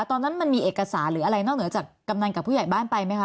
ตอนนั้นมันมีเอกสารหรืออะไรนอกเหนือจากกำนันกับผู้ใหญ่บ้านไปไหมคะ